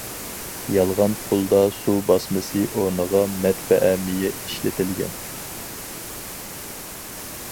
يالغان پۇلدا سۇ باسمىسى ئورنىغا مەتبەئە مېيى ئىشلىتىلگەن.